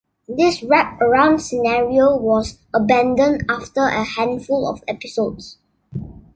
This wraparound scenario was abandoned after a handful of episodes.